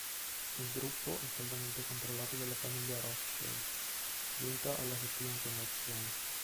Il gruppo è saldamente controllato dalla famiglia Rothschild, giunta alla settima generazione.